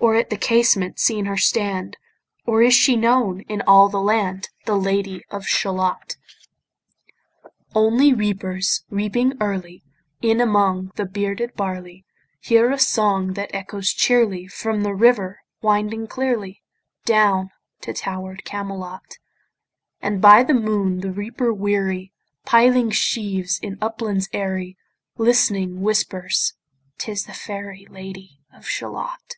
Or at the casement seen her stand? Or is she known in all the land, The Lady of Shalott? Only reapers, reaping early In among the bearded barley, Hear a song that echoes cheerly From the river winding clearly, Down to tower'd Camelot: And by the moon the reaper weary, Piling sheaves in uplands airy, Listening, whispers " 'Tis the fairy Lady of Shalott."